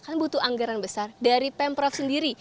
kan butuh anggaran besar dari pemprov sendiri